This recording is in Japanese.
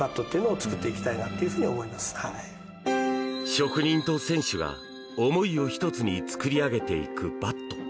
職人と選手が思いを一つに作り上げていくバット。